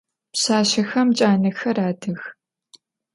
Pşsaşsexem canexer adıx.